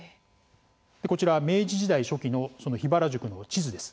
こちらは明治時代初期の桧原宿の地図です。